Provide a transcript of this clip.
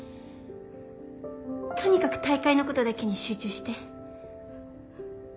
とにかく大会のことだけに集中して。